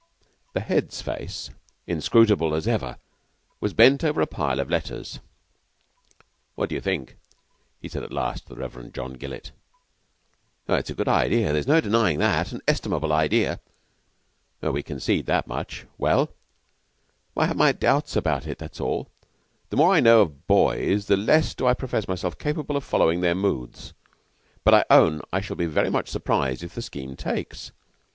The Head's face, inscrutable as ever, was bent over a pile of letters. "What do you think?" he said at last to the Reverend John Gillett. "It's a good idea. There's no denying that an estimable idea." "We concede that much. Well?" "I have my doubts about it that's all. The more I know of boys the less do I profess myself capable of following their moods; but I own I shall be very much surprised if the scheme takes.